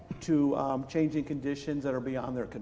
untuk mengubah kondisi yang lebih luas dari kondisi mereka